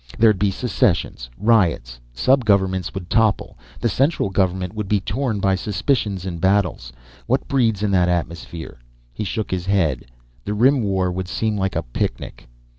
There'd be secessions, riots, sub governments would topple, the central government would be torn by suspicions and battles. What breeds in that atmosphere?" He shook his head. "The Rim War would seem like a picnic!"